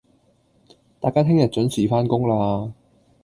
大家聽日準時返工喇